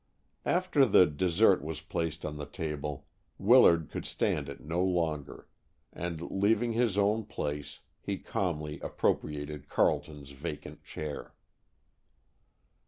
After the dessert was placed on the table, Willard could stand it no longer, and, leaving his own place, he calmly appropriated Carleton's vacant chair.